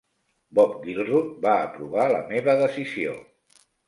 Bob Gilruth va aprovar la meva decisió.